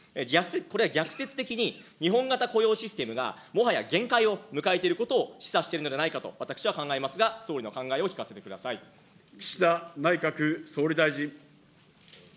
これは逆説的に日本型雇用システムが、もはや限界を迎えていることを示唆しているんではないかと私は考えますが、総理の考えを聞岸田内閣総理大臣。